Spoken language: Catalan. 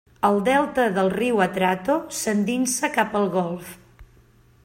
El delta del riu Atrato s'endinsa cap al golf.